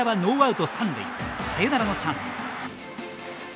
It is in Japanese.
サヨナラのチャンス。